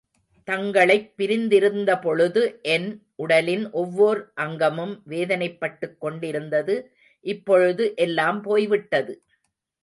தங்களைப் பிரிந்திருந்தபொழுது என் உடலின் ஒவ்வோர் அங்கமும் வேதனைப்பட்டுக் கொண்டிருந்தது. இப்பொழுது எல்லாம் போய் விட்டது.